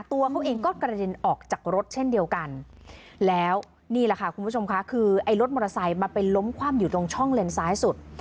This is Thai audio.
ตัวเขาเองก็กระเด็นออกจากรถเช่นเดียวกันแล้วนี่แหละค่ะคุณผู้ชมค่ะคือไอ้รถมอเตอร์ไซค์มันเป็นล้มคว่ำอยู่ตรงช่องเลนซ้ายสุด